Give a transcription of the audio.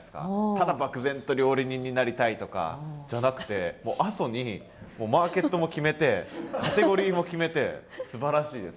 ただ漠然と料理人になりたいとかじゃなくて阿蘇にもうマーケットも決めてカテゴリーも決めてすばらしいです